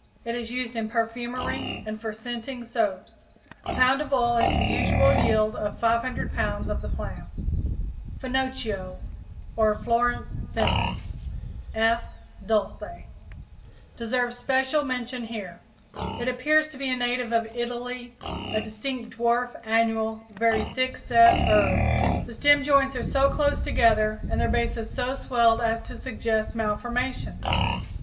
It is used in perfumery and for scenting soaps. A pound of oil is the usual yield of 500 pounds of the plant. =Finocchio=, or =Florence fennel= (F. dulce, D. C.), deserves special mention here. It appears to be a native of Italy, a distinct dwarf annual, very thick set herb. The stem joints are so close together and their bases so swelled as to suggest malformation.